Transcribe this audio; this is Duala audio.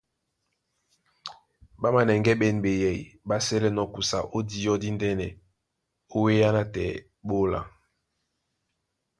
Ɓá manɛŋgɛ́ ɓên ɓeyɛy ɓá sɛ́lɛ́nɔ̄ kusa ó díɔ díndɛ́nɛ ó wéá nátɛɛ ɓé óla.